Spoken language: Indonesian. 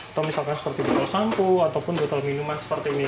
atau misalkan seperti botol sampo ataupun botol minuman seperti ini